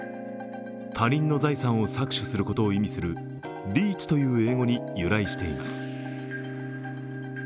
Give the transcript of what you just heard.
他人の財産を搾取することを意味するリーチという英語に由来しています。